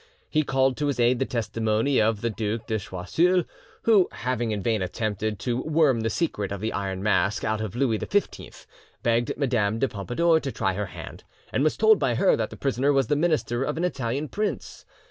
He called to his aid the testimony of the Duc de Choiseul, who, having in vain attempted to worm the secret of the Iron Mask out of Louis XV, begged Madame de Pompadour to try her hand, and was told by her that the prisoner was the minister of an Italian prince.